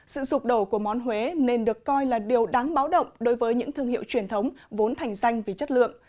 sự sụp đổ của món huế nên được coi là điều đáng báo động đối với những thương hiệu truyền thống vốn thành danh vì chất lượng